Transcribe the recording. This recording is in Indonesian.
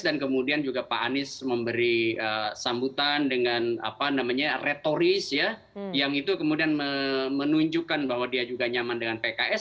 dan kemudian juga pak anies memberi sambutan dengan apa namanya retoris ya yang itu kemudian menunjukkan bahwa dia juga nyaman dengan pks